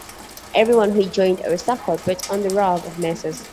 Everyone who joined our circle put on the 'Robe of Nessus'.